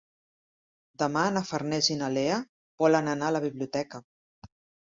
Demà na Farners i na Lea volen anar a la biblioteca.